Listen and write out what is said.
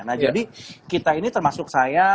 nah jadi kita ini termasuk saya